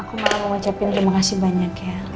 aku malah mau ngucapin terima kasih banyak ya